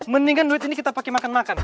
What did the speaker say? mendingan duit ini kita pakai makan makan